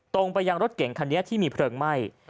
ไปยังรถเก่งคันนี้ที่มีเพลิงไหม้